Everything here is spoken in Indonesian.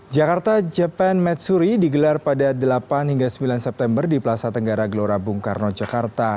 jakarta japan matsuri digelar pada delapan hingga sembilan september di plaza tenggara gelora bung karno jakarta